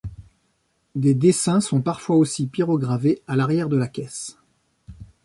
Des dessins sont parfois aussi pyrogravés à l'arrière de la caisse.